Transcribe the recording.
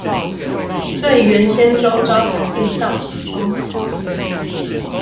對原先週遭環境造成衝擊